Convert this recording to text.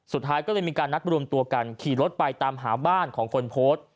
สุดท้ายก็เลยมีการนัดรวมตัวกันขี่รถไปตามหาบ้านของคนโพสต์